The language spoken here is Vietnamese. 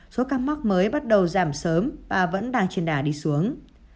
số ca mắc mới bắt đầu giảm sớm và vẫn đang trên đà đi xuống